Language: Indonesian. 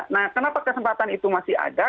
nah kenapa kesempatan itu masih ada